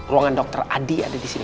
ruangan dr adi ada di sini